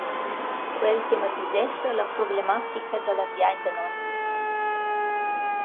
Quel tematisescha la problematica da l’ambiaint da noss dis.